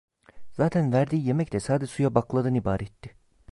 Zaten verdiği yemek de sade suya bakladan ibaretti.